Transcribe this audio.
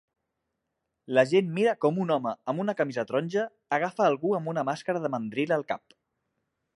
La gent mira com un home amb una camisa taronja agafa algú amb una màscara de mandril al cap